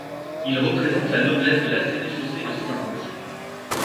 Il représente la noblesse de la sénéchaussée de Saintes.